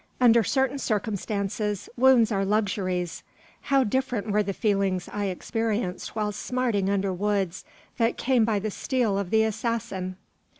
Under certain circumstances, wounds are luxuries. How different were the feelings I experienced while smarting under wounds that came by the steel of the assassin!